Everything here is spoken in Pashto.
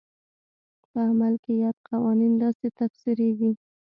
په عمل کې یاد قوانین داسې تفسیرېږي.